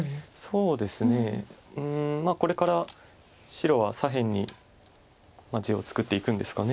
うんこれから白は左辺に地を作っていくんですかね。